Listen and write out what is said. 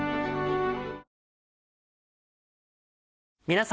皆様。